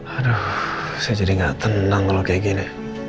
aduh saya jadi gak tenang kalo kayak gini